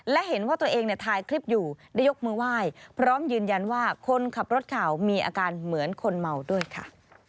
และเห็นว่าตัวเองเนี่ยถ่ายคลิปอยู่ได้ยกมือไหว้พร้อมยืนยันว่าคนขับรถข่าวมีอาการเหมือนคนเมาด้วยค่ะ